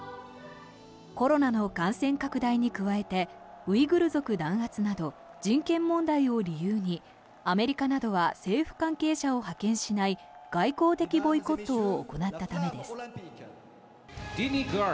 コロナの感染拡大に加えてウイグル族弾圧など人権問題を理由にアメリカなどは政府関係者を派遣しない外交的ボイコットを行ったためです。